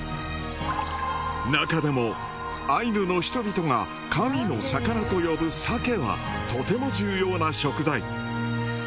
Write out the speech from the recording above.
なかでもアイヌの人々が神の魚と呼ぶ鮭はとても重要な食材。